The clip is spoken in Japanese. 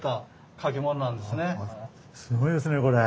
すごいですねこれ。